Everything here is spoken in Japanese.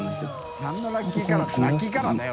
何のラッキーカラー」ってラッキーカラーだよ！